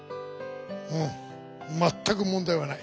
うんまったく問題はない。